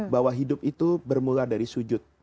bahwa hidup itu bermula dari sujud